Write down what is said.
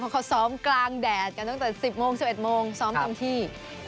เขาซ้อมกลางแดดกันตั้งแต่๑๐โมง๑๑โมงซ้อมเต็มที่